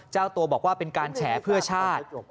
เจ้าตัวบอกว่าเป็นการแฉเพื่อชาติ